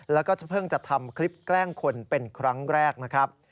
แล้วก็เพิ่งจะทำคลิปแกล้งคนเป็นครั้งแรกนะครับ